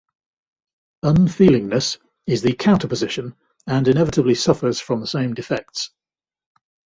Unfeelingness is the counter-position and inevitably suffers from the same defects.